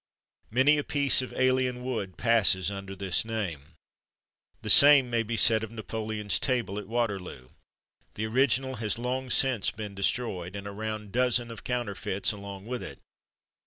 Many a piece of alien wood passes under this name. The same may be said of Napoleon's table at Waterloo. The original has long since been destroyed, and a round dozen of counterfeits along with it.